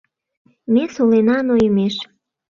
«Ме солена нойымеш